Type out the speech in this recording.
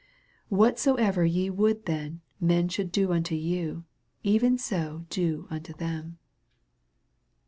Whatsoever ye would that men should do unto you, even so do unto them.